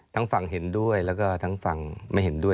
ทั้งฝั่งเห็นด้วยแล้วก็ทั้งฝั่งไม่เห็นด้วย